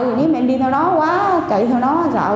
nhưng mà em đi theo nó quá chạy theo nó quá sợ